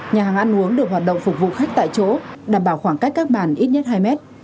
nhà hàng ăn uống được hoạt động phục vụ khách tại chỗ đảm bảo khoảng cách các bàn ít nhất hai mét